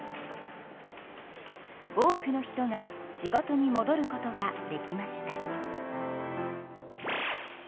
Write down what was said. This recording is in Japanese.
多くの人が仕事にもどることができました。